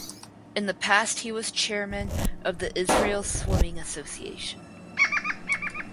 In the past he was chairman of the Israel Swimming Association.